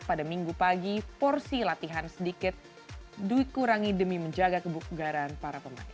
pada minggu pagi porsi latihan sedikit dikurangi demi menjaga kebugaran para pemain